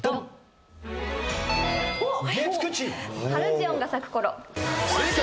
『ハルジオンが咲く頃』正解！